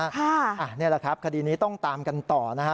นี่แหละครับคดีนี้ต้องตามกันต่อนะฮะ